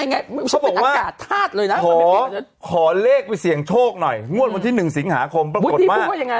เขาบอกว่าขอเลขไปเสี่ยงโชคหน่อยงวดวันที่๑สิงหาคมปรากฏมา